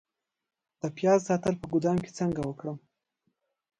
د پیاز ساتل په ګدام کې څنګه وکړم؟